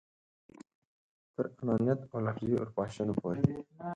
تر انانیت او لفظي اورپاشنو پورې.